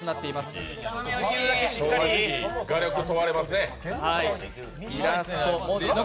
画力、問われますね。